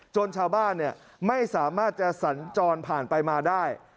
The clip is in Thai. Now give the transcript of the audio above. ชาวบ้านไม่สามารถจะสัญจรผ่านไปมาได้